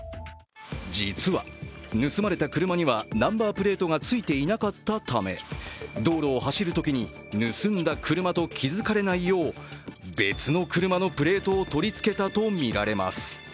実は盗まれた車にはナンバープレートがついていなかったため、道路を走るときに盗んだ車と気づかれないよう別の車のプレートを取りつけたとみられます。